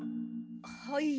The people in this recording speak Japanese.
はい。